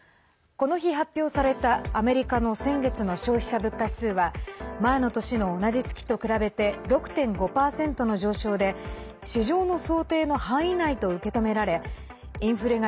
この日、発表されたアメリカの先月の消費者物価指数は前の年の同じ月と比べて６．５％の上昇で市場の想定の範囲内と受け止められインフレが